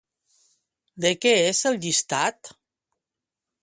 De què és el llistat?